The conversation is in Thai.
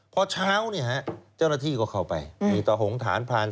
พอเช้าเจ้าหน้าที่ก็เข้าไปมีตะหงฐานพราน